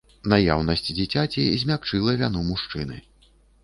Наяўнасць дзіцяці змякчыла віну мужчыны.